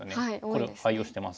これを愛用してます。